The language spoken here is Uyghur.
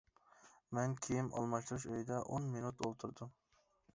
مەن كىيىم ئالماشتۇرۇش ئۆيىدە ئون مىنۇت ئولتۇردۇم.